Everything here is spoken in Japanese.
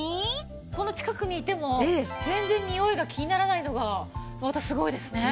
この近くにいても全然ニオイが気にならないのがまたすごいですね。